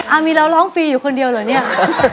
มีเราร้องฟรีอยู่คนเดียวเหรอเนี่ย